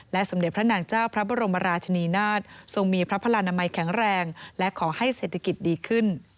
สมเด็จพระนางเจ้าพระบรมราชนีนาฏทรงมีพระพลานามัยแข็งแรงและขอให้เศรษฐกิจดีขึ้น